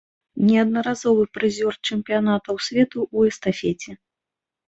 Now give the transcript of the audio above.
Неаднаразовы прызёр чэмпіянатаў свету ў эстафеце.